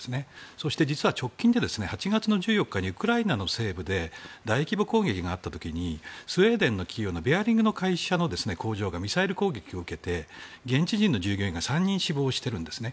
そして、実は直近で８月の１４日にウクライナの西部で大規模攻撃があった時にスウェーデンの企業のベアリングの工場がミサイル攻撃を受けて現地人の従業員が３人死亡しているんですね。